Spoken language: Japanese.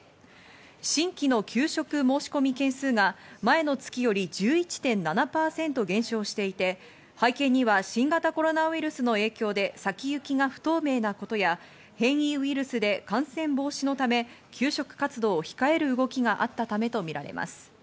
新規の求職申し込み件数が前の月より１１．７％減少していて、背景には新型コロナウイルスの影響で先行きが不透明なことや変異ウイルスで感染防止のため求職活動を控える動きがあったためとみられます。